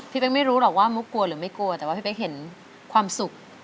เป๊กไม่รู้หรอกว่ามุกกลัวหรือไม่กลัวแต่ว่าพี่เป๊กเห็นความสุข